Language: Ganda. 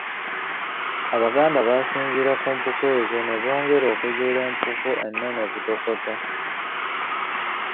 Abaganda baasinziira ku mpuku ezo ne bongera okuzuula empuku ennene Butokota.